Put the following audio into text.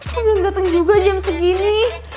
belum dateng juga jam segini